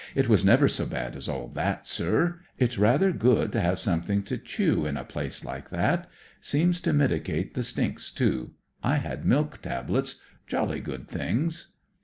"It was never so bad as all that, sir. It's rather good to have something to chew in a place Uke that. Seems to mitigate the stinks, too. I had miik tablets; jolly good things."